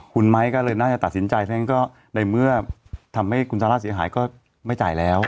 คุณไม้ก็เลยน่าจะตัดสินใจเพราะฉะนั้นก็ในเมื่อทำให้คุณซาร่าเสียหายก็ไม่จ่ายแล้ว